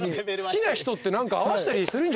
好きな人って合わしたりするんじゃないすか？